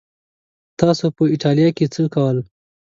تاسو په ایټالیا کې څه کول؟